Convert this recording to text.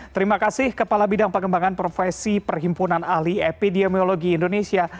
terima kasih kepala bidang pengembangan profesi perhimpunan ahli epidemiologi indonesia